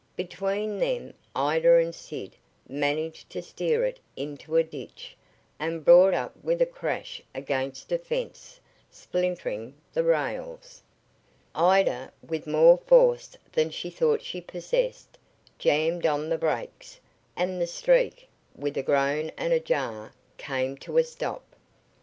Between them Ida and Sid managed to steer it into a ditch, and brought up with a crash against a fence, splintering the rails. Ida, with more force than she thought she possessed, jammed on the brakes, and the Streak, with a groan and a jar, came to a stop.